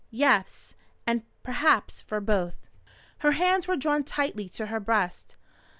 Yes; and perhaps for both." Her hands were drawn tightly to her breast.